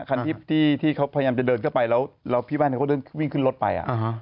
คันที่เขาพยายามจะเดินเข้าไปแล้วพี่แว่นเขาก็เดินวิ่งขึ้นรถไป